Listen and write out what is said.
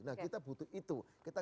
nah kita butuh itu